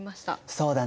そうだね。